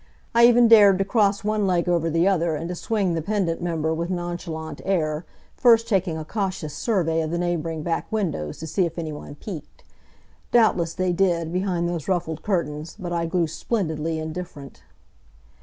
I even dared to cross one leg over the other and to swing the pendant member with nonchalant air, first taking a cautious survey of the neighboring back windows to see if any one peeked. Doubtless they did, behind those ruffled curtains, but I grew splendidly indifferent.